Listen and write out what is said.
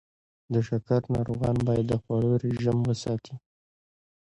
د شکر ناروغان باید د خوړو رژیم وساتي.